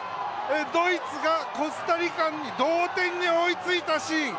ドイツがコスタリカに同点に追いついたシーン。